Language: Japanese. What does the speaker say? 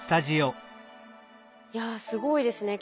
いやすごいですね。